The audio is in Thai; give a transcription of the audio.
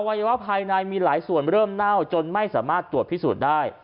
วัยวะภายในมีหลายส่วนเริ่มเน่าจนไม่สามารถตรวจพิสูจน์ได้